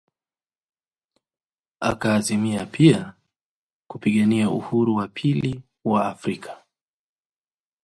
Akaazimia pia kupigania uhuru wa pili wa Afrika